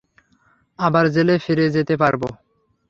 আবার জেলে ফিরে যেতে পারব?